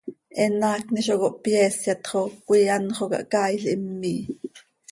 Eenm haacni zo cohpyeesyat xo coi anxö oo cahcaail him miii.